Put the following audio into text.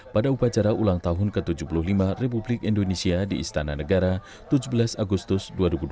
pada upacara ulang tahun ke tujuh puluh lima republik indonesia di istana negara tujuh belas agustus dua ribu dua puluh